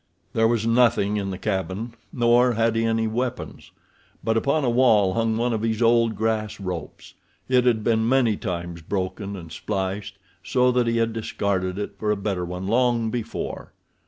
There was nothing in the cabin, nor had he any weapons; but upon a wall hung one of his old grass ropes. It had been many times broken and spliced, so that he had discarded it for a better one long before.